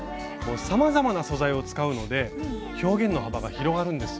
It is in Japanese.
さまざまな素材を使うので表現の幅が広がるんです。